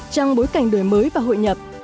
trong bối cảnh đời mới và hội nhập